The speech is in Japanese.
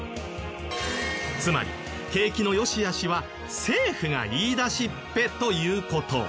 つまり景気の良し悪しは政府が言い出しっぺという事。